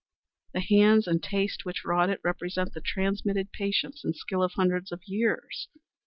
The hands and taste which wrought it represent the transmitted patience and skill of hundreds of years.